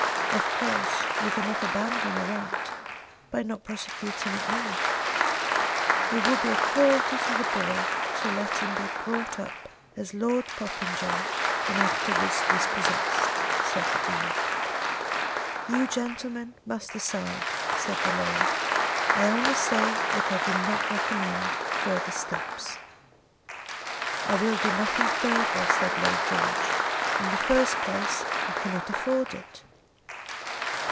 Of course you do not abandon a right by not prosecuting it now." "It would be a cruelty to the boy to let him be brought up as Lord Popenjoy and afterwards dispossessed," said the Dean. "You, gentlemen, must decide," said the lawyer. "I only say that I do not recommend further steps." "I will do nothing further," said Lord George. "In the first place I cannot afford it."